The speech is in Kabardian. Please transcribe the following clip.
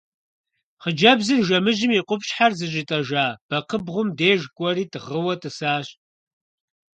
Хъыджэбзыр жэмыжьым и къупщхьэр зыщӀитӀэжа бэкхъыбгъум деж кӀуэри гъыуэ тӀысащ.